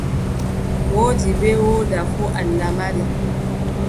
Woodi bee woodaa fuu Allah mari.